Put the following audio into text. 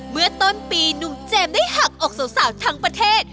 เมื่อต้นปีหนุ่มเจมส์ได้หักอกสาวทั้งประเทศ